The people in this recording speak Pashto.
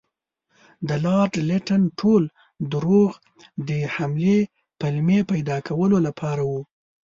د لارډ لیټن ټول دروغ د حملې پلمې پیدا کولو لپاره وو.